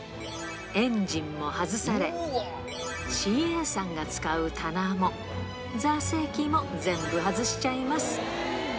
エンジンも外され、ＣＡさんが使う棚も、座席も全部外しちゃいます。